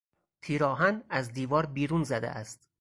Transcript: تیرآهن از دیوار بیرون زده است.